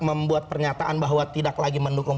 membuat pernyataan bahwa tidak lagi mendukung